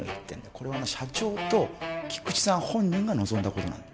これは社長と菊池さん本人が望んだことだ